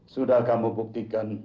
sudah kamu buktikan